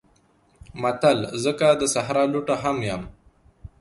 متل: زه که د صحرا لوټه هم یم